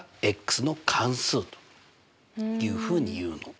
の関数というふうにいうの。